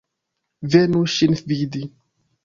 Venu ŝin vidi.